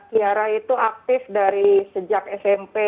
kiara itu aktif dari sejak smp